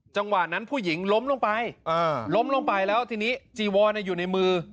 จังหวะนั้นผู้หญิงล้มลงไปล้มลงไปแล้วทีนี้จีวอนอยู่ในมือ